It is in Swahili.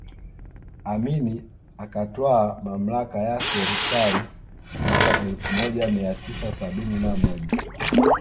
Amin akatwaa mamlaka ya serikali mwaka elfu moja mia tisa sabini na moja